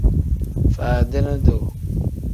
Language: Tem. Faadini duu.